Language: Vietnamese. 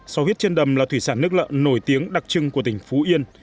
so huyết trên đầm là thủy sản nước lợn nổi tiếng đặc trưng của tỉnh phú yên